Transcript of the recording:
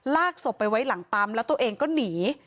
ลากศพไปไว้หลังปั๊มแล้วตัวเองก็หนี